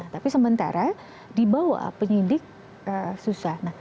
tapi sementara di bawah penyidik susah